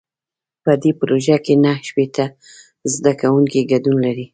په دې پروژه کې نهه شپېته زده کوونکي ګډون لري.